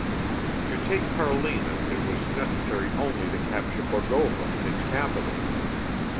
To take Carlina it was necessary only to capture Bogova, its capital.